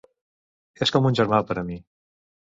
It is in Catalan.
És com un germà per a mi.